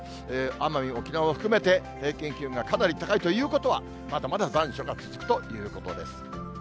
奄美、沖縄も含めて、平均気温がかなり高いということは、まだまだ残暑が続くということです。